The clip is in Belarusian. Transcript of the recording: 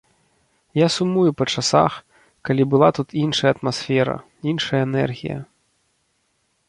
Я сумую па часах, калі была тут іншая атмасфера, іншая энергія.